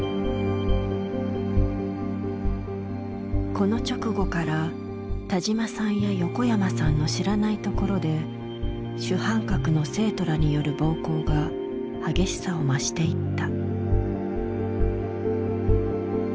この直後から田嶋さんや横山さんの知らないところで主犯格の生徒らによる暴行が激しさを増していった。